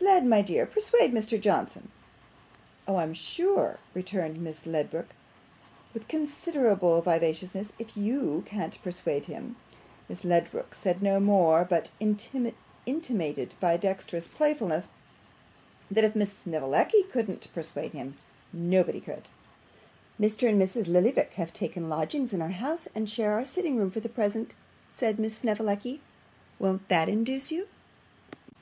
Led, my dear, persuade Mr Johnson.' 'Oh, I'm sure,' returned Miss Ledrook, with considerable vivacity, 'if YOU can't persuade him ' Miss Ledrook said no more, but intimated, by a dexterous playfulness, that if Miss Snevellicci couldn't persuade him, nobody could. 'Mr. and Mrs. Lillyvick have taken lodgings in our house, and share our sitting room for the present,' said Miss Snevellicci. 'Won't that induce you?